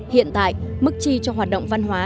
hiện tại mức chi cho hoạt động văn hóa